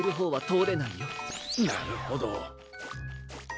なるほど。